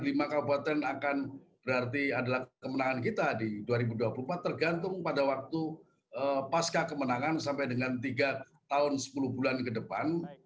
lima kabupaten akan berarti adalah kemenangan kita di dua ribu dua puluh empat tergantung pada waktu pasca kemenangan sampai dengan tiga tahun sepuluh bulan ke depan